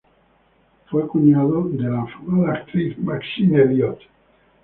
Fue cuñado de la afamada actriz Maxine Elliott.